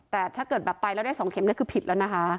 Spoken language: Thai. แต่ถ้าเกิดแบบไปแล้วได้๒เข็มนี่คือผิดแล้วนะคะ